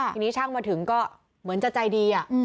ทีนี้ช่างมาถึงก็เหมือนจะใจดี